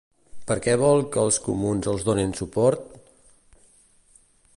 Per què vol que els comuns els donin suport?